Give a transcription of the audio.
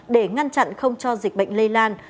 để ngăn chặn không cho dịch bệnh lây lan